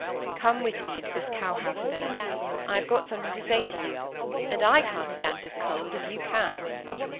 "Come with me into this cow house, Phillis. I have got something to say to you; and I can't stand this cold, if you can."